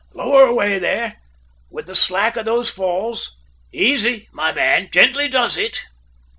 "Lower away there with the slack of those falls. Easy, my man, gently does it!"